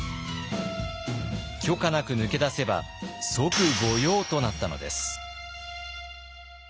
許可なく抜け出せば即御用となったのです。